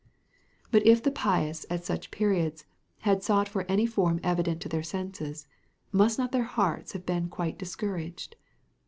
But if the pious at such periods had sought for any form evident to their senses, must not their hearts have been quite discouraged?